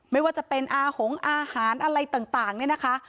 ไม่ว่าจะเป็นอาหงอาหารอะไรต่างเนี่ยนะคะ